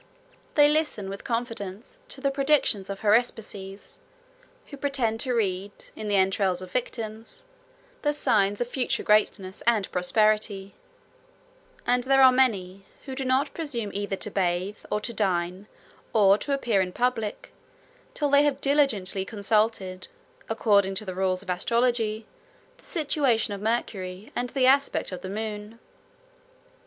They listen with confidence to the predictions of haruspices, who pretend to read, in the entrails of victims, the signs of future greatness and prosperity; and there are many who do not presume either to bathe, or to dine, or to appear in public, till they have diligently consulted, according to the rules of astrology, the situation of Mercury, and the aspect of the moon.